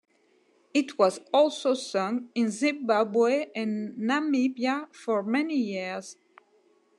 It was also sung in Zimbabwe and Namibia for many years.